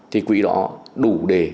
thì quỹ đó đủ để